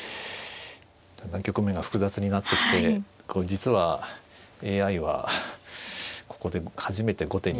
だんだん局面が複雑になってきて実はＡＩはここで初めて後手に。